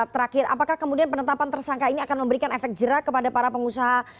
terakhir apakah kemudian penetapan tersangka ini akan memberikan efek jerak kepada para pengusaha